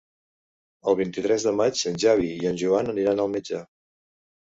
El vint-i-tres de maig en Xavi i en Joan aniran al metge.